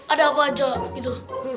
ada apa aja gitu